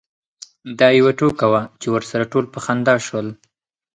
دا یوه ټوکه وه چې ورسره ټول په خندا شول.